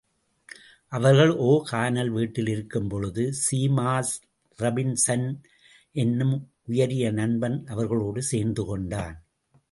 அவர்கள் ஓ கானல் வீட்டில் இருக்கும் பொழுது ஸீமாஸ் ராபின்ஸன் என்னும் உயரிய நண்பன் அவர்களோடு சேர்ந்து கொண்டான்.